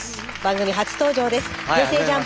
番組初登場です。